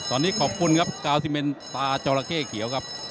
ตอนนี้ขอบคุณครับกาวซิเมนตาจอราเข้เขียวครับ